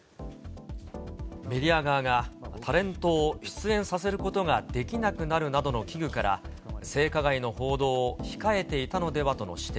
メディア側がタレントを出演させることができなくなるなどの危惧から、性加害の報道を控えていたのではとの指摘。